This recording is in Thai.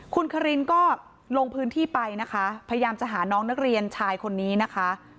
คุณคารินก็ลงพื้นที่ไปนะคะพยายามจะหาน้องนักเรียนชายคนนี้นะคะ